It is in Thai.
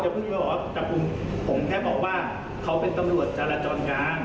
เดี๋ยวคุณไปบอกว่าจำคุณผมแค่บอกว่าเขาเป็นตำรวจจาราจรกลาง